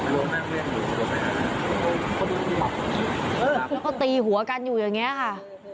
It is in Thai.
แล้วก็ตีหัวกันอยู่อย่างนี้ค่ะ